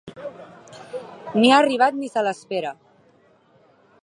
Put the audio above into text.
Ni ha arribat ni se l’espera.